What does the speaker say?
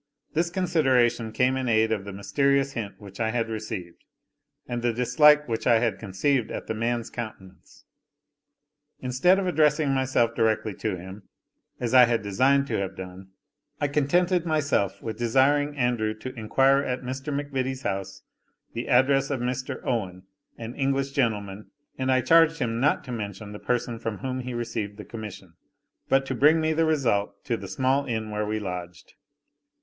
This consideration came in aid of the mysterious hint which I had received, and the dislike which I had conceived at the man's countenance. Instead of addressing myself directly to him, as I had designed to have done, I contented myself with desiring Andrew to inquire at Mr. MacVittie's house the address of Mr. Owen, an English gentleman; and I charged him not to mention the person from whom he received the commission, but to bring me the result to the small inn where we lodged.